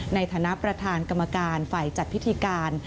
ในฐานะประธานกรรมการฝ่ายจัดพิธีการ